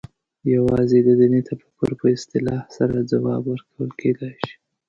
یوازې د دیني تفکر په اصلاح سره ځواب ورکول کېدای شي.